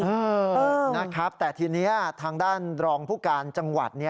เออนะครับแต่ทีนี้ทางด้านรองผู้การจังหวัด